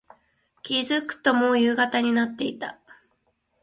気付くと、もう夕方になっていた。